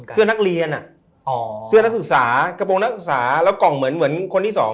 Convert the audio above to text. เสื้อนักเรียนพูดเหมือนสึกกระโปรนักสุสาแล้วกล่องเหมือนคนที่๒